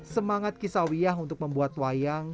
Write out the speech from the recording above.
semangat kisawiyah untuk membuat wayang